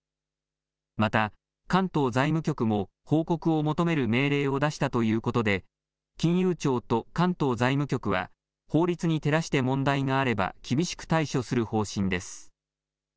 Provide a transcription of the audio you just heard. また、関東財務局も報告を求める命令を出したということで、金融庁と関東財務局は、法律に照らして問題があれば厳しく対処する方針です。